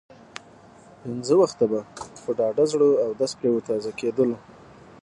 پنځه وخته به په ډاډه زړه اودس پرې تازه کېدلو.